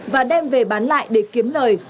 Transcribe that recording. và đem về bán lại để kiếm lời